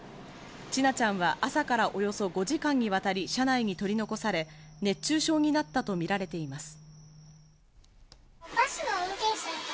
千奈ちゃんは朝からおよそ５時間にわたり車内に取り残され、熱中症になったとみられています。